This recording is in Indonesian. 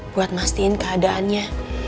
buat mastiin keadaannya